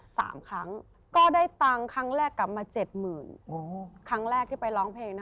สามครั้งก็ได้ตังค์ครั้งแรกกลับมาเจ็ดหมื่นโอ้ครั้งแรกที่ไปร้องเพลงนะ